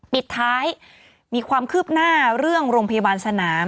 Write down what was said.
ปิดท้ายมีความคืบหน้าเรื่องโรงพยาบาลสนาม